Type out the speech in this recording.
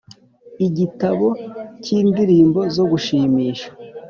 igitabo cyindirimbo zo gushimisha